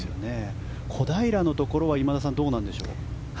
小平のところは今田さん、どうなんでしょう。